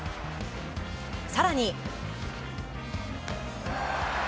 更に。